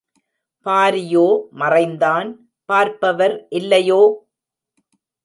பாரியோ மறைந்தான் பார்ப்பவர் இல்லையோ?